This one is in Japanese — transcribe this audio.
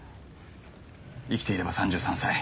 生きていれば３３歳。